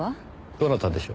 どなたでしょう？